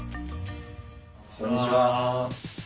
こんにちは。